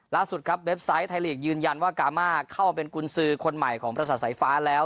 ล่าสุดครับเว็บไซต์ไทยลีกยืนยันว่ากามาเข้าเป็นกุญสือคนใหม่ของประสาทสายฟ้าแล้ว